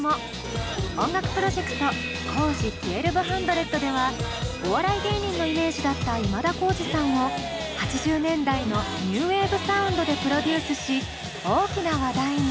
音楽プロジェクトＫＯＪＩ１２００ではお笑い芸人のイメージだった今田耕司さんを８０年代のニューウエーブサウンドでプロデュースし大きな話題に。